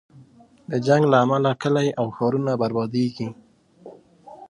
د جنګ له امله کلی او ښارونه بربادېږي.